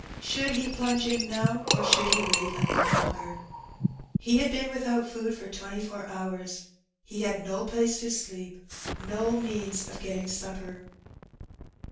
Should he plunge in now, or should he wait a little longer? He had been without food for twenty four hours. He had no place to sleep, no means of getting supper.